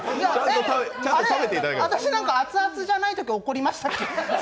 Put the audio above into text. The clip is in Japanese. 私、なんか熱々じゃないとき怒りましたっけ？